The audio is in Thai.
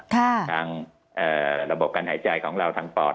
ทางระบบการหายใจของเราทางปอด